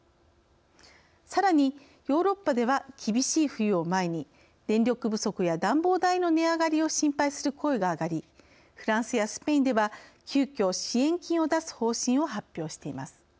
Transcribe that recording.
さらに、ヨーロッパでは厳しい冬を前に電力不足や暖房代の値上がりを心配する声が上がりフランスやスペインでは急きょ、支援金を出す方針を発表しています。